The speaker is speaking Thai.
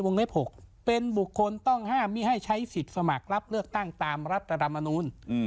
เล็บ๖เป็นบุคคลต้องห้ามไม่ให้ใช้สิทธิ์สมัครรับเลือกตั้งตามรัฐธรรมนูล